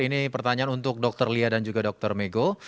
ini pertanyaan untuk dokter lia dan juga dr megho